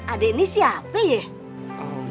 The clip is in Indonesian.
adek ini siapa ya